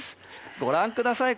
ご覧ください